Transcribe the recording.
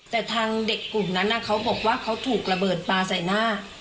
แต่ทางเด็กกลุ่มนั้นเขาบอกว่าเขาถูกระเบิดปลาใส่หน้า